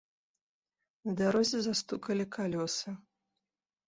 На дарозе застукалі калёсы.